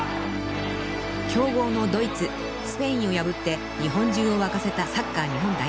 ［強豪のドイツスペインを破って日本中を沸かせたサッカー日本代表］